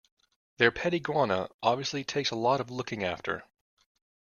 Their pet iguana obviously takes a lot of looking after.